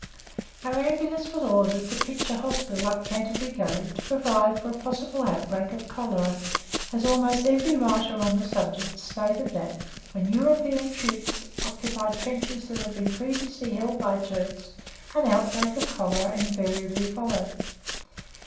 Our Ambulance was ordered to pitch a hospital up Canterbury Gully to provide for a possible outbreak of cholera, as almost every writer on the subject stated that, when European troops occupied trenches that had been previously held by Turks, an outbreak of cholera invariably followed.